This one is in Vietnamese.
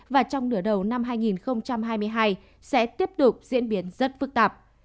và trong nửa đầu năm hai nghìn hai mươi hai sẽ tiếp tục diễn biến rất phức tạp